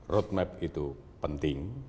roadmap untuk penerbangan penerbangan